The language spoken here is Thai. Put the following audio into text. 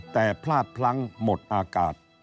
แต่พลาดพลั้งหมดอากาศ